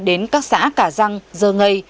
đến các xã cả răng giờ ngây